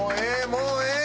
もうええ